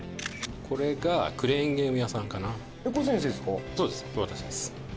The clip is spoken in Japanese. これがクレーンゲーム屋さんかな？